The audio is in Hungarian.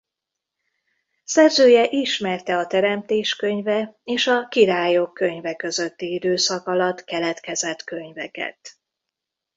Szerzője ismerte a Teremtés könyve és a Királyok könyve közötti időszak alatt keletkezett könyveket.